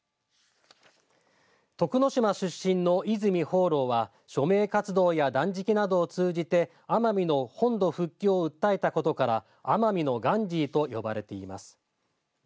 徳之島出身の泉芳朗は署名活動や断食などを通じて奄美の本土復帰を訴えたことから奄美のガンジーと呼ばれています。